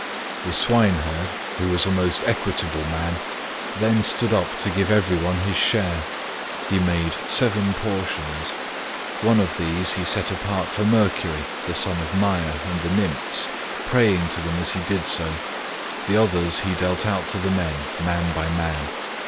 The swineherd, who was a most equitable man, then stood up to give every one his share. He made seven portions; one of these he set apart for Mercury the son of Maia and the nymphs, praying to them as he did so; the others he dealt out to the men man by man.